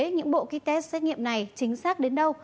những bộ ký test xét nghiệm này chính xác đến đâu